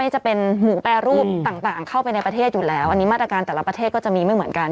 จะเป็นหมูแปรรูปต่างเข้าไปในประเทศอยู่แล้วอันนี้มาตรการแต่ละประเทศก็จะมีไม่เหมือนกัน